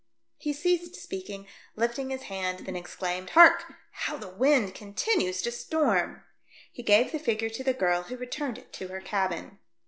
He ceased speaking, lifting his hand ; then exclaimed, "Hark! how the wind continues to storm." He gave the figure to the girl who returned it to her cabin.